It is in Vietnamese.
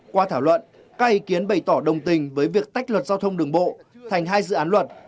qua thảo luận các ý kiến bày tỏ đồng tình với việc tách luật giao thông đường bộ thành hai dự án luật